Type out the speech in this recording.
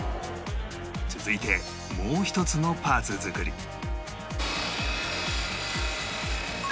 続いてもう一つのパーツ作り